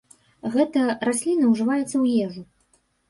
Гэта расліна ўжываецца ў ежу.